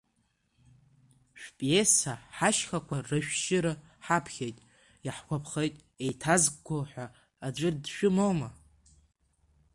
Шәпиеса Ҳашьхақәа рышәшьыра ҳаԥхьеит, иаҳгәаԥхеит, еиҭазго ҳәа аӡәыр дшәымоума?